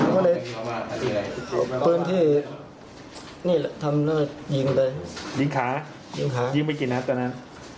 คือนี่ทำยิงไปยิงขายิงไปกี่นัดตอนนั้น